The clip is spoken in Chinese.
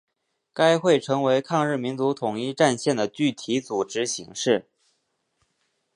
该会成为抗日民族统一战线的具体组织形式。